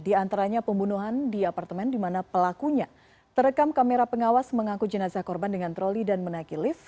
di antaranya pembunuhan di apartemen di mana pelakunya terekam kamera pengawas mengaku jenazah korban dengan troli dan menaiki lift